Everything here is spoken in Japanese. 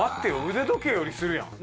腕時計よりするやん。